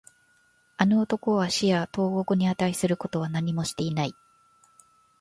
あの男は死や投獄に値することは何もしていない